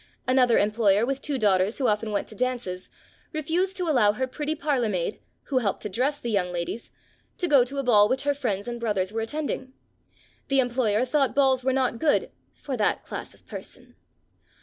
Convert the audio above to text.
Another employer, with two daughters who often went to dances, refused to allow her pretty parlourmaid (who helped to dress the young ladies) to go to a ball which her friends and brothers were attending. The employer thought balls were not good "for that class of person."